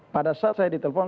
pada saat saya ditelepon